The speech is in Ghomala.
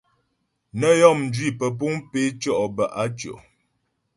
Nə́ yɔ́ mjwi pəpuŋ pé tʉɔ' bə á tʉɔ̀.